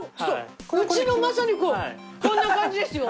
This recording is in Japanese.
うちのまさにこんな感じですよ。